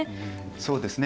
そうですね。